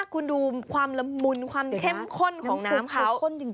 คุณดูความละมุนความเข้มข้นของน้ำเค้า